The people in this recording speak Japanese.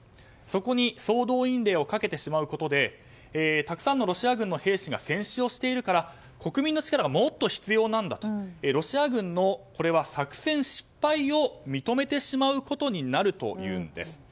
そこに総動員令をかけてしまうことでたくさんのロシア軍の兵士が戦死しているから国民の力がもっと必要なんだとロシア軍の作戦失敗を認めてしまうことになるというんです。